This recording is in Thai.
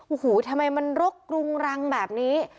โอ้โหทำไมมันรกรุงรังแบบนี้